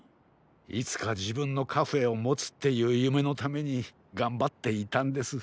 いつかじぶんのカフェをもつっていうゆめのためにがんばっていたんです。